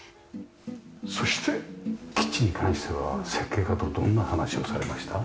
そしてキッチンに関しては設計家とどんな話をされました？